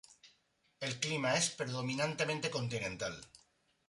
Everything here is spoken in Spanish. El clima es predominantemente continental.